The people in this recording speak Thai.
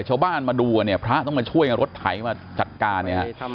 ชาวบ้านมาดูกันเนี่ยพระต้องมาช่วยกันรถไถมาจัดการเนี่ยฮะ